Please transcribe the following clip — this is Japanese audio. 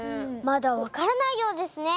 まだわからないようですね。